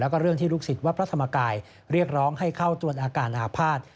แล้วก็เรื่องที่ลูกศิษย์วัดพระธรรมกายเรียกร้องให้เข้าตรวจอาการอาภาษณ์